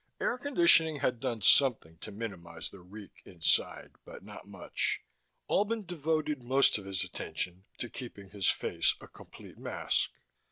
Air conditioning had done something to minimize the reek inside, but not much. Albin devoted most of his attention to keeping his face a complete mask.